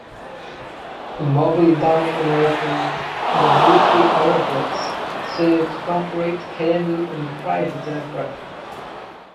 The Mobile Downtown Airport at the Brookley Aeroplex serves corporate, cargo, and private aircraft.